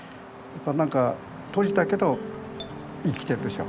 何か閉じたけど生きてるでしょ。